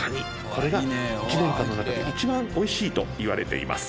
これが１年間の中で一番美味しいといわれています。